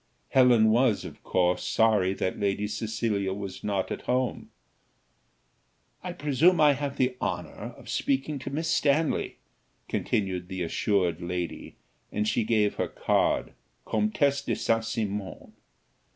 Helen was, of course, sorry that Lady Cecilia was not at home. "I presume I have the honour of speaking to Miss Stanley," continued the assured lady, and she gave her card "Comtesse de St. Cymon."